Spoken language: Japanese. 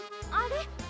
あれ？